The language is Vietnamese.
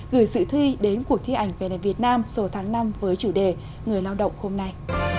gửi sự thi đến cuộc thi ảnh vnvn sổ tháng năm với chủ đề người lao động hôm nay